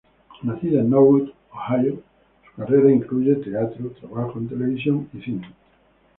Nacida en Norwood, Ohio, su carrera incluye teatro, trabajo en televisión y cine.